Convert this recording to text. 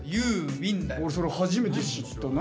オレそれ初めて知った何？